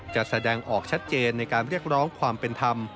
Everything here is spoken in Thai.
แสดงออกชัดเจนในการเรียกร้องความเป็นธรรม